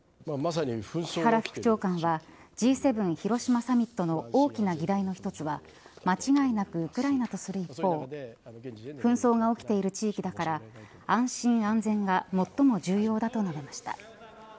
木原副長官はＧ７広島サミットの大きな議題の一つは間違いなくウクライナとする一方紛争が起きている地域だから安心安全が最も重要だと述べました。